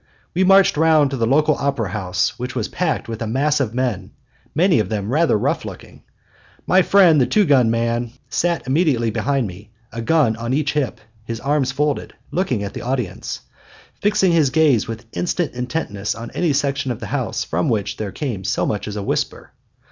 We marched round to the local opera house, which was packed with a mass of men, many of them rather rough looking. My friend the two gun man sat immediately behind me, a gun on each hip, his arms folded, looking at the audience; fixing his gaze with instant intentness on any section of the house from which there came so much as a whisper.